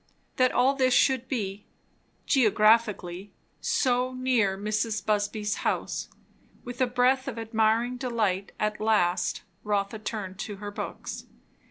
That all this should be, geographically, so near Mrs. Busby's house! With a breath of admiring delight, at last Rotha turned to her books.